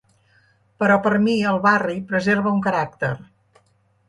Però per mi el barri preserva un caràcter.